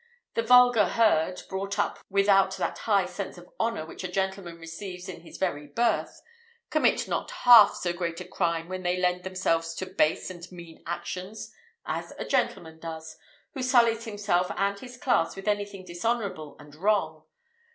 The vulgar herd, brought up without that high sense of honour which a gentleman receives in his very birth, commit not half so great a crime when they lend themselves to base and mean actions, as a gentleman does, who sullies himself and his class with anything dishonourable and wrong.